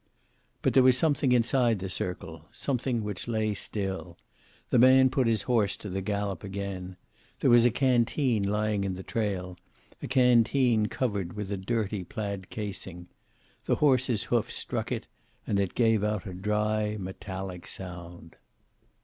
But there was something inside the circle, something which lay still. The man put his horse to the gallop again. There was a canteen lying in the trail, a canteen covered with a dirty plaid casing. The horse's hoof struck it, and it gave out a dry, metallic sound.